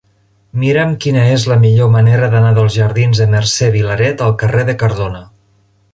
Mira'm quina és la millor manera d'anar dels jardins de Mercè Vilaret al carrer de Cardona.